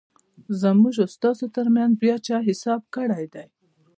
زموږ او ستاسو ترمنځ بیا چا حساب کړیدی؟